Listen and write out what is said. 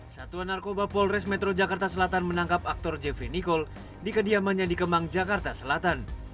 satuan narkoba polres metro jakarta selatan menangkap aktor jeffrey nicole di kediamannya di kemang jakarta selatan